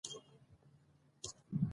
په افغانستان کې د پکتیا منابع شته.